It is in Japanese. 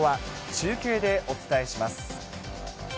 中継でお伝えします。